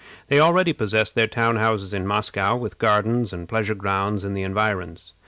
They already possessed their town houses in Moscow, with gardens and pleasure grounds in the environs.